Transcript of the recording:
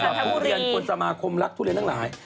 สำหรับผู้เรียนคนสมาครมรักดูเลียนทั้งหลาย